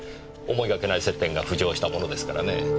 思いがけない接点が浮上したものですからねえ